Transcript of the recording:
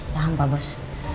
paham pak bos